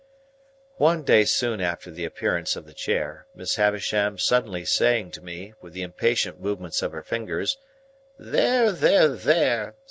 One day soon after the appearance of the chair, Miss Havisham suddenly saying to me, with the impatient movement of her fingers, "There, there, there!